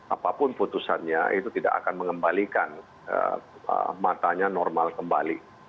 apapun putusannya itu tidak akan mengembalikan matanya normal kembali